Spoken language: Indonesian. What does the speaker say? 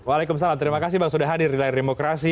waalaikumsalam terima kasih bang sudah hadir di layar demokrasi